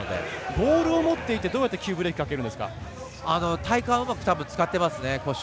ボールを持っていてどうやって急ブレーキを体幹をうまく使っていますね。